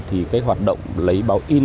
thì hoạt động lấy báo in